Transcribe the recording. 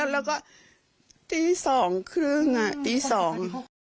แล้วก็ตีสองครึ่งอ่ะตีสอง